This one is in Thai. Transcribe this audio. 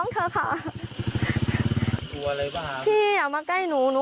กลับไปเลยค่ะ